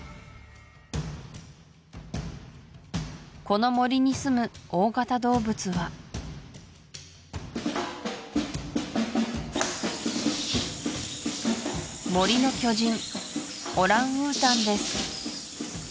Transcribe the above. この森にすむ大型動物は森の巨人オランウータンです